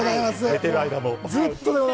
寝ている間も。